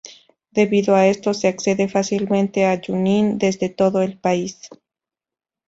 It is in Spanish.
Debido a esto se accede fácilmente a Junín desde todo el país.